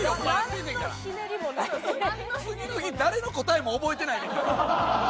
次の日誰の答えも覚えてないねんから。